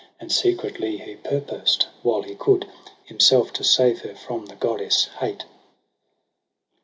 And secretly he purposed while he coud Himself to save her from the goddess' hate.